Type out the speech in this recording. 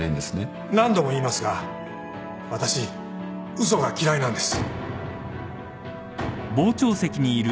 何度も言いますが私嘘が嫌いなんです。